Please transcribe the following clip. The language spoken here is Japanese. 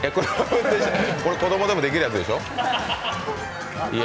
これ子供でもできるやつでしょ？